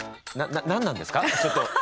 何なんですかちょっと。